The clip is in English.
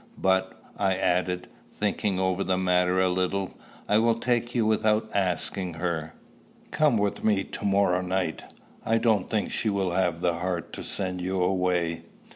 But," I added, thinking over the matter a little, "I will take you without asking her. Come with me to morrow night. I don't think she will have the heart to send you away."